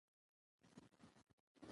د مصطفى کردار را وړاندې کولے شي.